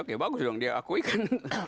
oke bagus dong dia akui kan